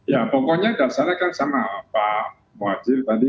ya pokoknya dasarnya sama pak muwazir tadi